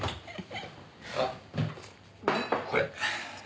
あっこれ。